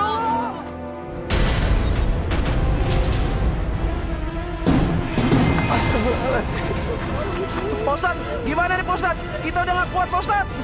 ustadz gimana nih pusat kita udah gak kuat ustadz